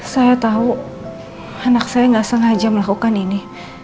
saya tahu anak saya nggak sengaja melakukan ini